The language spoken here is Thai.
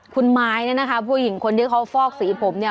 คุณไม้เนี่ยนะคะผู้หญิงคนที่เขาฟอกสีผมเนี่ย